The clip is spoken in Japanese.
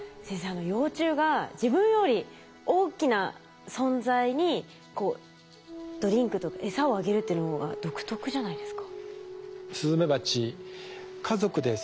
あの幼虫が自分より大きな存在にこうドリンクエサをあげるっていうのは独特じゃないですか？